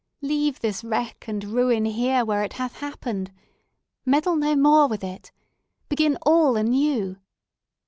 Leave this wreck and ruin here where it hath happened. Meddle no more with it! Begin all anew!